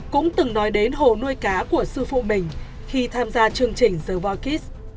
cũng từng nói đến hồ nuôi cá của sư phụ mình khi tham gia chương trình the vorkids